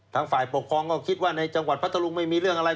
ฝ่ายปกครองก็คิดว่าในจังหวัดพัทธรุงไม่มีเรื่องอะไร